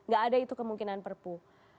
gak ada itu kemungkinan perpu